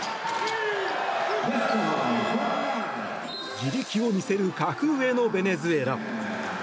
地力を見せる格上のベネズエラ。